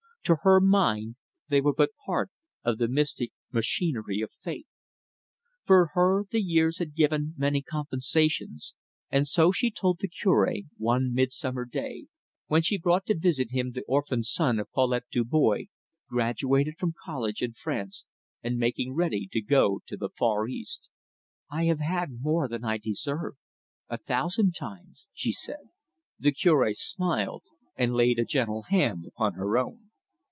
To her mind they were but part of the mystic machinery of fate. For her the years had given many compensations, and so she told the Cure, one midsummer day, when she brought to visit him the orphaned son of Paulette Dubois, graduated from his college in France and making ready to go to the far East. "I have had more than I deserve a thousand times," she said. The Cure smiled, and laid a gentle hand upon her own.